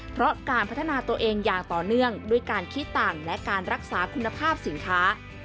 เพราะการพัฒนาตัวเองอย่างต่อเนื่องด้วยการคิดต่างและการรักษาคุณภาพสินค้า